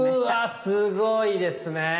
うわすごいですね。